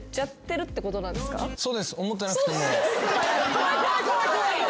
怖い怖い怖い怖い。